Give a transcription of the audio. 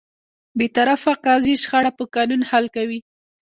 بېطرفه قاضي شخړه په قانون حل کوي.